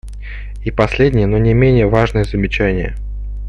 И последнее, но не менее важное замечание.